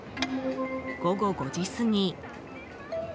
午後５時過ぎ。